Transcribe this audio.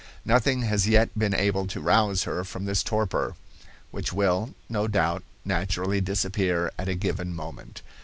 "Nothing has yet been able to rouse her from this torpor, which will, no doubt, naturally disappear at a given moment.